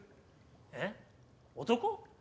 ・えっ男？